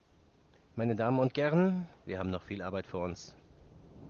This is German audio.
Meine Damen und Gerren, wir haben noch viel Arbeit vor uns.